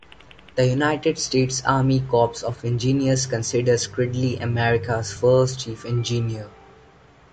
The United States Army Corps of Engineers considers Gridley 'America's First Chief Engineer.